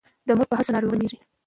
د مور په هڅو ناروغۍ کمیږي.